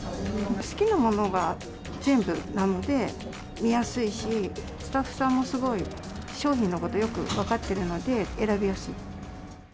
好きなものが全部なので、見やすいし、スタッフさんもすごい商品のことをよく分かってるので、選びやすい。